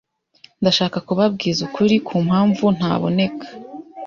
Ndashaka kubabwiza ukuri ku mpamvu ntaboneka